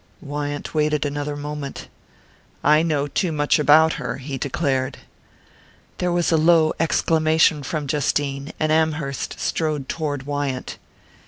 Wyant waited another moment. "I know too much about her," he declared. There was a low exclamation from Justine, and Amherst strode toward Wyant.